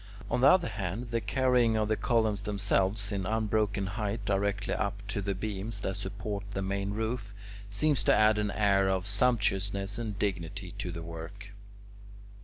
On the other hand, the carrying of the columns themselves in unbroken height directly up to the beams that support the main roof, seems to add an air of sumptuousness and dignity to the work.